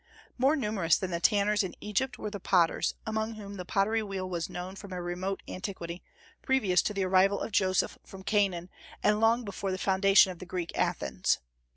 More numerous than the tanners in Egypt were the potters, among whom the pottery wheel was known from a remote antiquity, previous to the arrival of Joseph from Canaan, and long before the foundation of the Greek Athens.